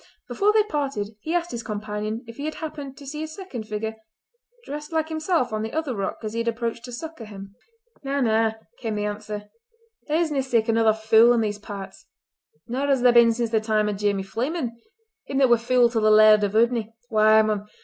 Before they parted he asked his companion if he had happened to see a second figure, dressed like himself on the other rock as he had approached to succour him. "Na! Na!" came the answer, "there is nae sic another fule in these parts. Nor has there been since the time o' Jamie Fleeman—him that was fule to the Laird o' Udny. Why, mon!